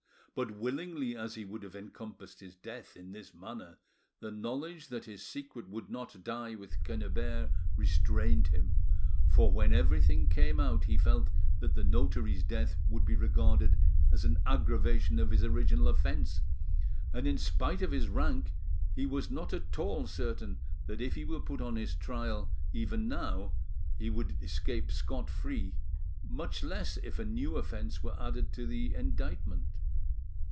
But willingly as he would have encompassed his death in this manner, the knowledge that his secret would not die with Quennebert restrained him, for when everything came out he felt that the notary's death would be regarded as an aggravation of his original offence, and in spite of his rank he was not at all certain that if he were put on his trial even now he would escape scot free, much less if a new offence were added to the indictment.